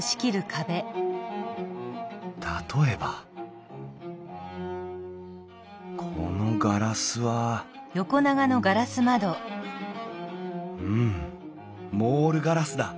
例えばこのガラスはうんモールガラスだ。